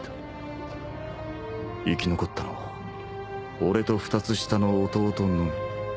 生き残ったのは俺と２つ下の弟のみ